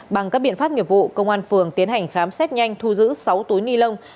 bằng các biện pháp nghiệp vụ công an phường tiến hành khám xét nhanh thu giữ sáu túi ni lông